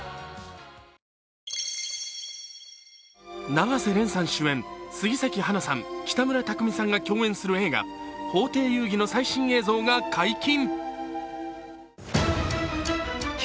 永瀬廉さん主演、杉咲花さん、北村匠海さんが共演する映画、「法廷遊戯」の最新映像が解禁。